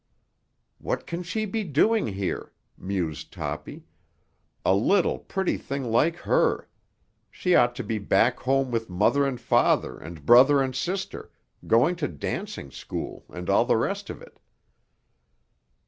"What can she be doing here?" mused Toppy. "A little, pretty thing like her! She ought to be back home with mother and father and brother and sister, going to dancing school, and all the rest of it."